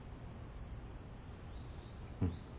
うん。